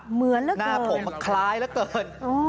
เหมือนเหลือเกินหน้าผมคล้ายเหลือเกิน